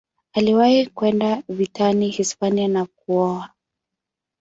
Aliwahi kwenda vitani Hispania na kuoa.